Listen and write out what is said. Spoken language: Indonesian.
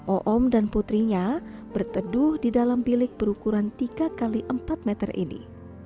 oom dan putrinya berteduh di dalam bilik berukuran tiga x empat meter ini